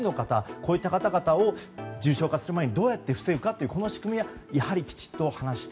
こういった方々を重症化する前にどうやって防ぐかこの仕組みは、やはりきちっと話して